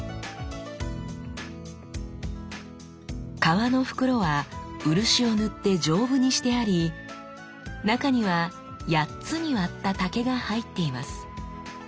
皮の袋は漆を塗って丈夫にしてあり中には八つに割った竹が入っています。